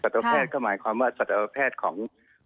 ตแพทย์ก็หมายความว่าสัตวแพทย์ของ